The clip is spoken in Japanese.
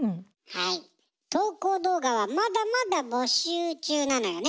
投稿動画はまだまだ募集中なのよね？